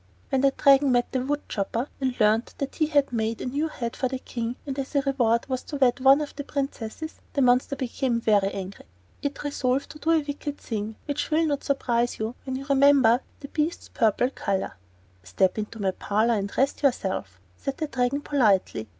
When the Dragon met the wood chopper and learned he had made a new head for the King, and as a reward was to wed one of the princesses, the monster became very angry. It resolved to do a wicked thing; which will not surprise you when you remember the beast's purple color. "Step into my parlor and rest yourself," said the Dragon, politely.